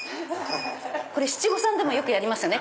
七五三でもよくやりますよね。